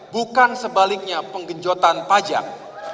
bukan sebaliknya penggenjotan pajak